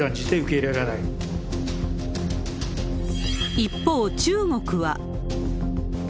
一方、中国は。